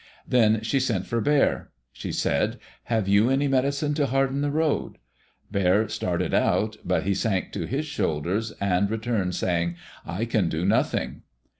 Then she sent for Bear. She said, "Have you any medicine to harden the road?" Bear started out, but he sank to his shoulders, and returned saying, "I can do nothing."